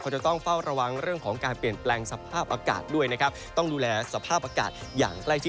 จะต้องเฝ้าระวังเรื่องของการเปลี่ยนแปลงสภาพอากาศด้วยนะครับต้องดูแลสภาพอากาศอย่างใกล้ชิด